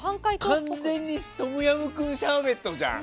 完全にトムヤンクンシャーベットじゃん。